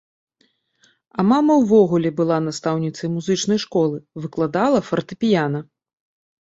А мама ўвогуле была настаўніцай музычнай школы, выкладала фартэпіяна.